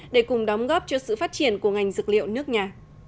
để cùng đóng góp cho sự phát triển của ngành dược liệu nước nhà